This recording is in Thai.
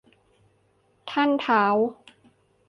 ท่านท้าว